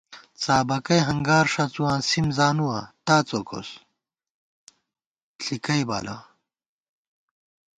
څابَکَئ ہنگار ݭَڅُواں سِم زانُوا ، تا څوکوس ، ݪِکَئ بالہ